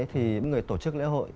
thì mọi người tổ chức lễ hội